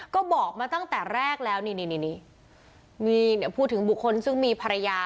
ก็บอกมาตั้งแต่แรกแล้วนี่นี่มีพูดถึงบุคคลซึ่งมีภรรยา